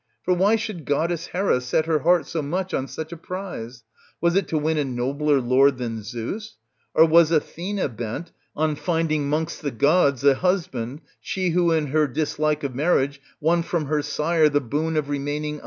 For why should goddess Hera set her heart so much on such a prize ? Was it to win a nobler lord than Zeus ? or was Athena bent on finding 'mongst the gods a husband, she who in her dislike of marriage won from her sire the boon of remaining unwed